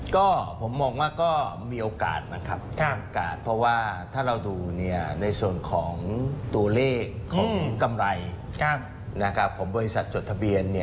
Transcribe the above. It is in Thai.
ก็ผมมองว่าก็มีโอกาสนะครับมีโอกาสเพราะว่าถ้าเราดูในส่วนของตัวเลขของกำไรของบริษัทจดทะเบียน